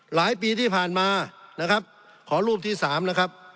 หลายปีที่ผ่านมานะครับขอรูปที่สามนะครับ